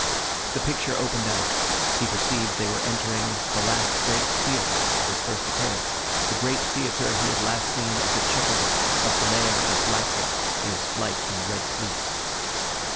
The picture opened out. He perceived they were entering the great theatre of his first appearance, the great theatre he had last seen as a chequer work of glare and blackness in his flight from the red police.